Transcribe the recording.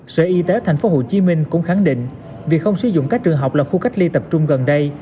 sở y tế tp hcm cũng khẳng định việc không sử dụng các trường học là khu cách ly tập trung gần đây